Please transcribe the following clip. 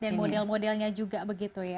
dan model modelnya juga begitu ya